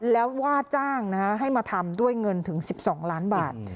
แล้วว่าจ้างให้มาทำด้วยเงินถึง๑๒ล้านบาท